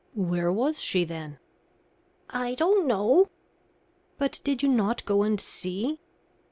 "Where was she, then?" "I don't know." "But did you not go and see?"